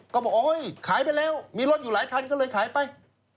ก็บอกโอ๊ยขายไปแล้วมีรถอยู่หลายคันก็เลยขายไป